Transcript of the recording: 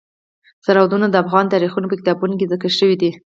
سرحدونه د افغان تاریخ په کتابونو کې ذکر شوی دي.